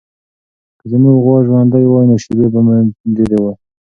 که زموږ غوا ژوندۍ وای، نو شیدې به مو ډېرې وای.